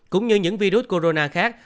cũng như những virus corona khác